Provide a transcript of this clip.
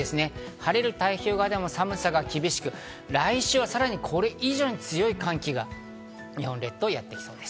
晴れる太平洋側でも寒さが厳しく、来週はさらにこれ以上に強い寒気が日本列島にやってきそうです。